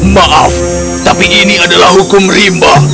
maaf tapi ini adalah hukum rimba